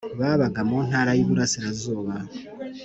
babaga mu ntara y Iburasirazuba